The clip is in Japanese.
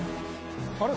あれ？